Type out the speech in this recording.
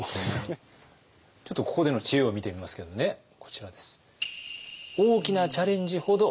ちょっとここでの知恵を見てみますけどねこちらです。